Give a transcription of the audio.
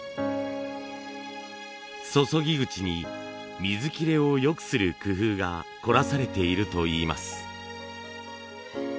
注ぎ口に水切れを良くする工夫が凝らされているといいます。